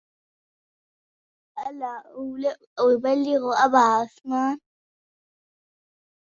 ألا أبلغ أبا عثمان